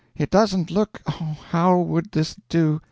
"It doesn't look oh, how would this do?